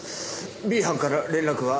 Ｂ班から連絡は？